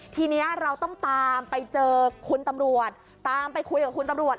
ทีนี้เราต้องตามไปเจอคุณตำรวจตามไปคุยกับคุณตำรวจ